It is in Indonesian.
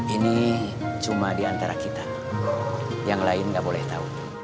ini cuma di antara kita yang lain nggak boleh tahu